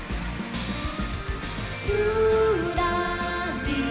「ぴゅらりら」